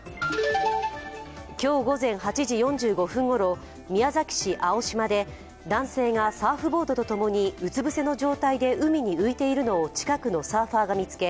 今日午前８時４５分ごろ、宮崎市青島で男性がサーフボードと共にうつ伏せの状態で海に浮いているのを近くのサーファーが見つけ